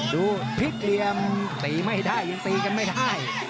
พลิกเหลี่ยมตีไม่ได้ยังตีกันไม่ได้